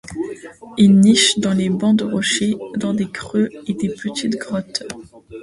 Ils nichent dans les bancs de rochers, dans des creux ou de petites grottes.